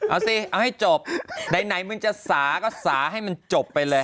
เอาสิเอาให้จบไหนมึงจะสาก็สาให้มันจบไปเลย